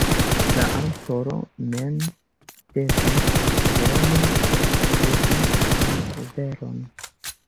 La aŭtoro mem devas lerni skribi la veron.